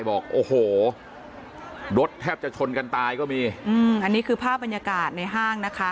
บอกโอ้โหรถแทบจะชนกันตายก็มีอืมอันนี้คือภาพบรรยากาศในห้างนะคะ